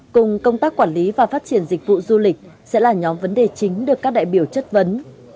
cùng công tác quản lý và phát triển dịch vụ du lịch sẽ là nhóm vấn đề chính được các đại biểu chất vấn